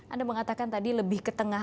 anda mengatakan tadi lebih ke tengah